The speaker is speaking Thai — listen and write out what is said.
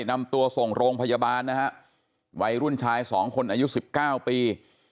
นำตัวส่งโรงพยาบาลนะฮะวัยรุ่นชายสองคนอายุสิบเก้าปี